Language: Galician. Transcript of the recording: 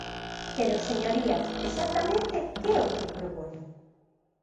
Pero, señorías, exactamente ¿que é o que propoñen?